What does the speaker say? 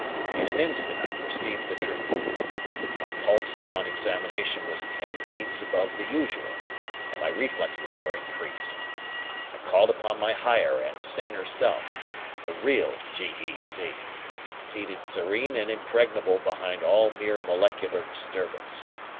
In an instant I perceived the truth. My pulse upon examination was ten beats above the usual, and my reflexes were increased. I called upon my higher and saner self, the real G. E. C., seated serene and impregnable behind all mere molecular disturbance.